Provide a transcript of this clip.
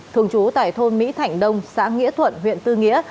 thường trú tại thôn mỹ thạnh đông xã nghĩa thuận huyện tư nghĩa